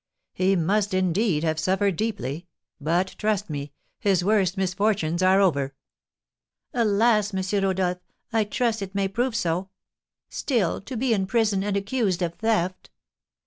"He must, indeed, have suffered deeply; but, trust me, his worst misfortunes are over." "Alas, M. Rodolph, I trust it may prove so! Still, to be in prison, and accused of theft!"